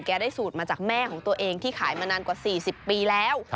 ได้สูตรมาจากแม่ของตัวเองที่ขายมานานกว่า๔๐ปีแล้ว